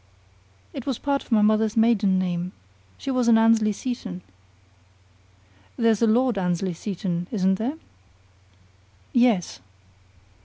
"It was part of my mother's maiden name. She was an Annesley Seton." "There's a Lord Annesley Seton, isn't there?" "Yes."